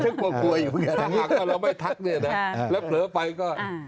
ถ้าเราไม่ทักเนี่ยแล้วเผลอไปก็